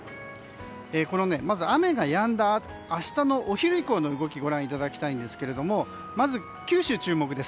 雨がやんだ明日のお昼以降の動きをご覧いただきたいんですけどもまず九州、注目です。